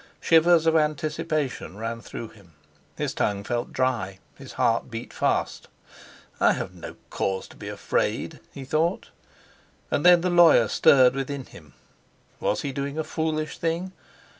Shivers of anticipation ran through him; his tongue felt dry, his heart beat fast. "I have no cause to be afraid," he thought. And then the lawyer stirred within him. Was he doing a foolish thing?